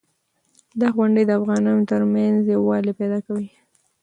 دا غونډې د افغانانو ترمنځ یووالی پیدا کوي.